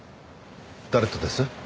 誰とです？